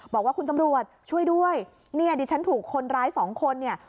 บอกว่าคุณตำรวจช่วยด้วยเนี่ยดิฉันถูกคนร้ายสองคนเนี่ย